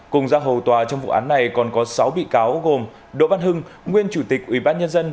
cùng ra hầu tòa trong vụ án này còn có sáu bị cáo gồm đỗ văn hưng nguyên chủ tịch ủy ban nhân dân